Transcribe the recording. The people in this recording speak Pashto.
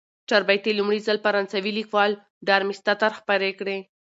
چاربیتې لومړی ځل فرانسوي لیکوال ډارمستتر خپرې کړې.